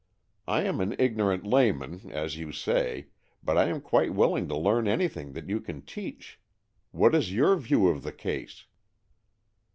I am an ignorant layman, as you say, but I am quite willing to learn anything that you can teach. What is your view of the case